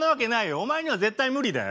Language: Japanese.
お前には絶対無理だよ。